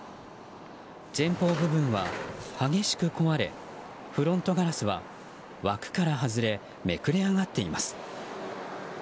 前方部分は激しく壊れフロントガラスは枠から外れめくれ上がっています。